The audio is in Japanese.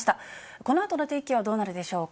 このあとの天気はどうなるでしょうか。